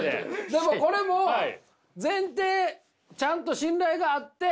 でもこれも前提ちゃんと信頼があって。